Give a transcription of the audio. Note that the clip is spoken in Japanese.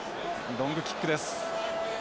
ロングキックです。